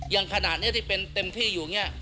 อย่างขนาดนี้ที่เป็นเต็มที่อยู่